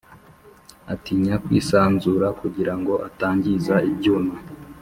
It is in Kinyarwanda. atinya kwisanzura kugira ngo atangiza ibyuma,